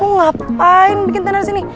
lo ngapain bikin tenda disini